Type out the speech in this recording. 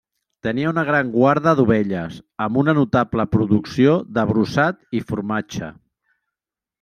Tenia una gran guarda d'ovelles, amb una notable producció de brossat i formatge.